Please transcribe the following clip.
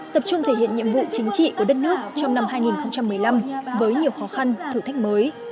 tập trung thể hiện nhiệm vụ chính trị của đất nước trong năm hai nghìn một mươi năm với nhiều khó khăn thử thách mới